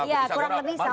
ya kurang lebih sama